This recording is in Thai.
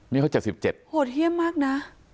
นี้เขาจะจับ๑๗โหเทียมมากนะ